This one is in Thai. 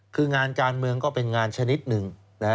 คืองานการเมืองก็เป็นงานชนิดหนึ่ง